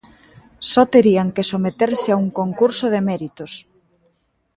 Só terían que someterse a un concurso de méritos.